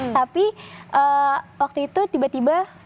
tapi waktu itu tiba tiba